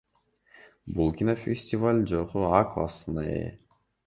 Бул кинофестиваль жогорку А классына ээ.